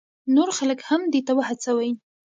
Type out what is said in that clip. نور خلک هم دې ته وهڅوئ.